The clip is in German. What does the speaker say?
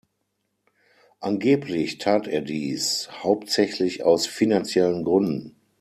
Angeblich tat er dies „hauptsächlich aus finanziellen Gründen“.